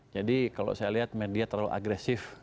jadi kalau saya lihat media terlalu agresif